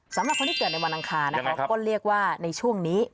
สำหรับคนที่เกิดในวันอังคารนะคะก็เรียกว่าในช่วงนี้